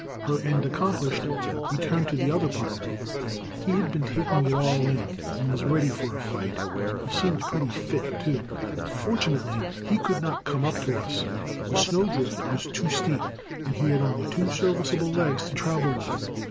Her end accomplished, we turned to the other partner. He had been taking it all in, and was ready for a fight. He seemed pretty fit, too. Fortunately, he could not come up to us; the snow drift was too steep, and he had only two serviceable legs to travel with.